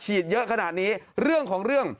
เยอะขนาดนี้เรื่องของเรื่อง